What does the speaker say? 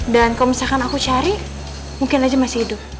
dan kalau misalkan aku cari mungkin aja masih hidup